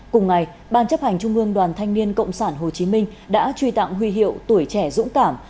cùng ngày ban chấp hành trung ương đoàn thanh niên cộng sản hồ chí minh đã truy tặng huy hiệu tuổi trẻ dũng cảm